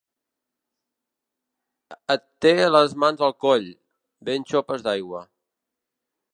Et té les mans al coll, ben xopes d'aigua.